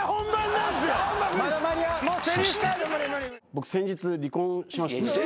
僕先日離婚しまして。